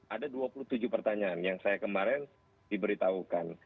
ada dua puluh tujuh pertanyaan yang saya kemarin diberitahukan